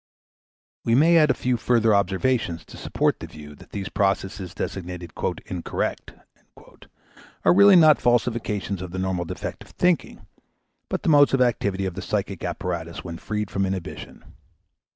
We may add a few further observations to support the view that these processes designated "incorrect" are really not falsifications of the normal defective thinking, but the modes of activity of the psychic apparatus when freed from inhibition.